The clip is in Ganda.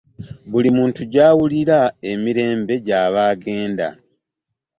Buli omu gy'awulirira emirembe gy'aba agenda.